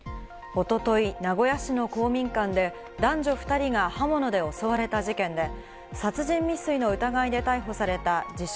おととい、名古屋市の公民館で男女２人が刃物で襲われた事件で、殺人未遂の疑いで逮捕された自称・